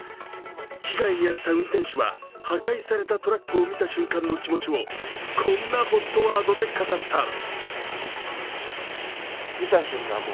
被害に遭った運転手は破壊されたトラックを見た瞬間の気持ちをこんなＨＯＴワードで語った。